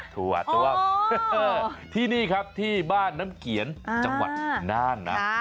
ถั่วตัวที่นี่ครับที่บ้านน้ำเขียนจังหวัดน่านนะ